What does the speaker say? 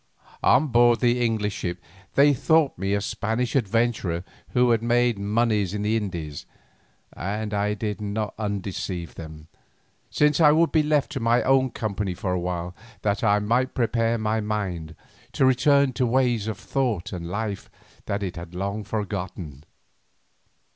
On board the English ship they thought me a Spanish adventurer who had made moneys in the Indies, and I did not undeceive them, since I would be left to my own company for a while that I might prepare my mind to return to ways of thought and life that it had long forgotten.